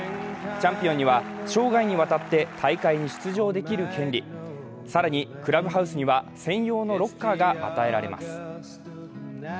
チャンピオンには生涯にわたって大会に出場できる権利、更にクラブハウスには専用のロッカーが与えられます。